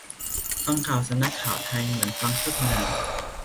ฟังข่าวสำนักข่าวไทย เหมือนฟังโฆษณา